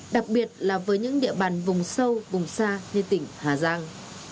đặc biệt là với những địa bàn vùng sâu vùng xa như tỉnh hà giang